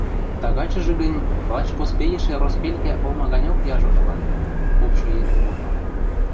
– Тагачыжы гӹнь лач поспейӹшӹ роспелкӓ олма ганьок яжо ылат... – попшы йӹрен попа.